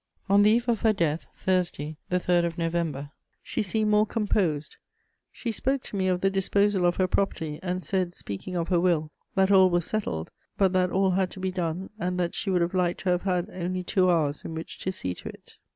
On the eve of her death, Thursday the 3rd of November, she seemed more composed. She spoke to me of the disposal of her property, and said, speaking of her will, "that all was settled, but that all had to be done, and that she would have liked to have had only two hours in which to see to it."